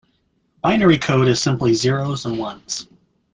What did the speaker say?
Binary code is simply zero's and ones.